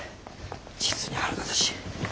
実に腹立たしい。